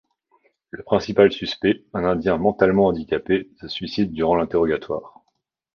Le principal suspect, un indien mentalement handicapé, se suicide durant l'interrogatoire.